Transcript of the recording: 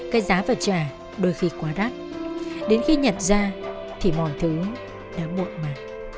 cái giá và trả đôi khi quá đắt đến khi nhặt ra thì mọi thứ đã muộn mà